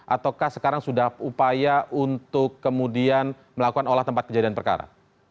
ataukah sekarang sudah upaya untuk kemudian melakukan olah tempat kejadian perkara